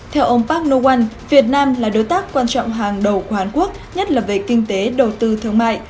theo ông park non việt nam là đối tác quan trọng hàng đầu của hàn quốc nhất là về kinh tế đầu tư thương mại